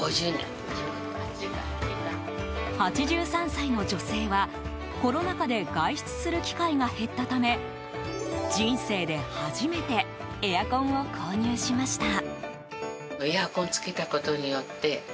８３歳の女性はコロナ禍で外出する機会が減ったため人生で初めてエアコンを購入しました。